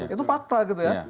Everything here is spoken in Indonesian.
itu fakta gitu ya